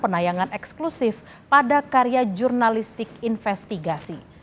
penayangan eksklusif pada karya jurnalistik investigasi